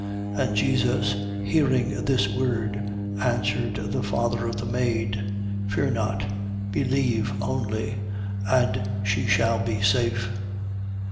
8:50. And Jesus hearing this word, answered the father of the maid: Fear not. Believe only: and she shall be safe.